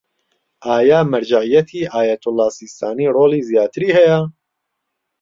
ئایا مەرجەعیەتی ئایەتوڵا سیستانی ڕۆڵی زیاتری هەیە؟